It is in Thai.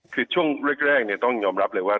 คือช่วงแรกต้องยอมรับเลยว่า